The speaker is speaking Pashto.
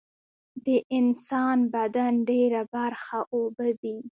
د انسان بدن ډیره برخه اوبه دي